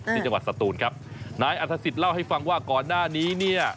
ที่จังหวัดสตูนครับนายอัฐศิษย์เล่าให้ฟังว่าก่อนหน้านี้เนี่ย